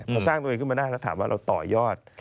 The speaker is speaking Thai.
พอสร้างตัวเองขึ้นมาได้แล้วถามว่าเราต่อยอด